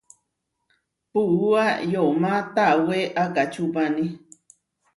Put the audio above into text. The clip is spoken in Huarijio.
Puúa yomá tawé akačupani.